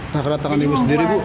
nah kedatangan ibu sendiri bu